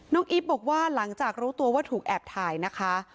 อีฟบอกว่าหลังจากรู้ตัวว่าถูกแอบถ่ายนะคะ